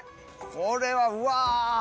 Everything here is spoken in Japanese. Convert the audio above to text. これはうわ。